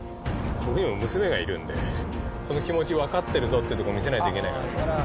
僕にも娘がいるので、その気持ち分かってるぞっていうところ、見せないといけないから。